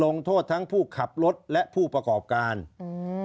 ลงโทษทั้งผู้ขับรถและผู้ประกอบการอืม